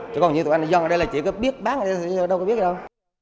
chứ còn như tụi anh này dân ở đây là chỉ có biết bán gì đâu đâu có biết gì đâu